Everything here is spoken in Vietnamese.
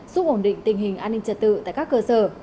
giúp ổn định tình hình an ninh trật tự tại các cơ sở